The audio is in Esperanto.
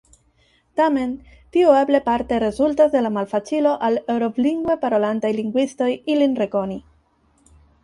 Tamen, tio eble parte rezultas de la malfacilo al Eŭrop-lingve parolantaj lingvistoj ilin rekoni.